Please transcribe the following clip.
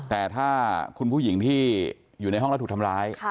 แต่ถ้าคุณผู้หญิงที่อยู่ในห้องแล้วถูกทำร้าย